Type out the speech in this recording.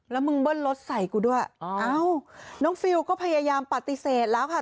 แล้วมึงเบิ้ลรถใส่กูด้วยเอ้าน้องฟิลก็พยายามปฏิเสธแล้วค่ะ